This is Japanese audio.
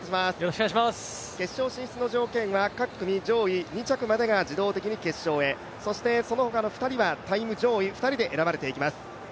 決勝進出の条件が各組上位２着までが自動的に決勝へそしてその他の２人はタイム上位、２人で選ばれていきます。